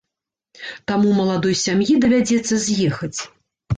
Таму маладой сям'і давядзецца з'ехаць.